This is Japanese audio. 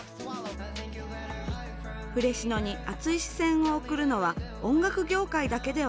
ＦＲＥＳＩＮＯに熱い視線を送るのは音楽業界だけではない。